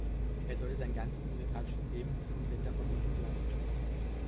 Er sollte sein ganzes musikalisches Leben diesem Sender verbunden bleiben.